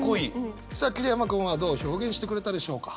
さあ桐山君はどう表現してくれたでしょうか？